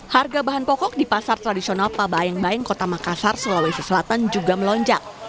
harga bahan pokok di pasar tradisional pabayang bayang kota makassar sulawesi selatan juga melonjak